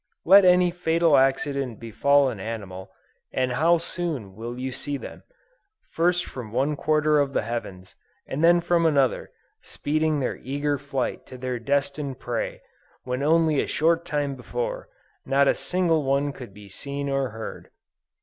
Let any fatal accident befall an animal, and how soon will you see them, first from one quarter of the heavens, and then from another, speeding their eager flight to their destined prey, when only a short time before, not a single one could be seen or heard.